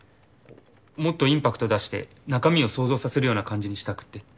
もっとインパクト出して中身を想像させるような感じにしたくって。